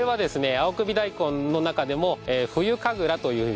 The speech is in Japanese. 青首大根の中でも冬神楽という品種。